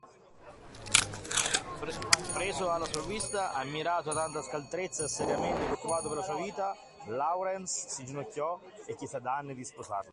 Preso alla sprovvista, ammirato da tanta scaltrezza e seriamente preoccupato per la sua vita, Laurens si inginocchiò e chiese ad Anne di sposarlo.